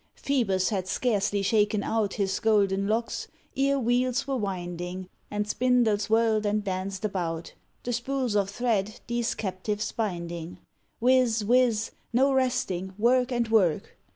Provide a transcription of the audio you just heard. Phœbus had scarcely shaken out His golden locks, ere wheels were winding, And spindles whirled and danced about, The spools of thread these captives binding: Whiz whiz; no resting; work and work!